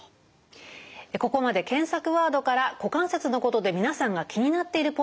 ここまで検索ワードから股関節のことで皆さんが気になっているポイントについてお答えしてきました。